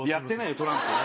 トランプ。